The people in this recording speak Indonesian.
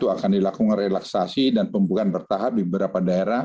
akan dilakukan relaksasi dan pembukaan bertahap di beberapa daerah